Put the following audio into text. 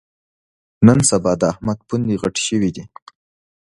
نن سبا د احمد پوندې غټې شوې دي.